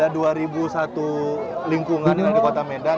ada dua satu lingkungan yang ada di kota medan